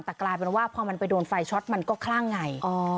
แต่กลายเป็นว่าพอมันไปโดนไฟช็อตมันก็คลั่งไง